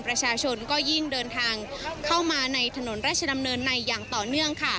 ประชาชนก็ยิ่งเดินทางเข้ามาในถนนราชดำเนินในอย่างต่อเนื่องค่ะ